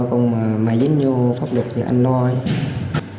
còn mà dính vô pháp luật thì anh lo chứ